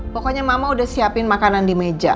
pokoknya mama udah siapin makanan di meja